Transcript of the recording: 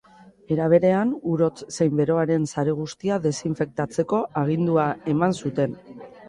Era berean, ur hotz zein beroaren sare guztia desinfektatzeko agindua eman zuten.